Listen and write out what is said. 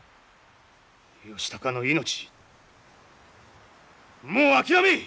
義高の命もう諦めい！